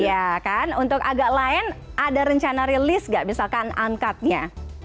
iya kan untuk agak lain ada rencana rilis nggak misalkan uncut nya